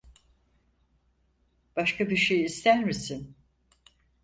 Başka bir şey ister misin?